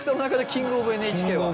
キング・オブ・ＮＨＫ。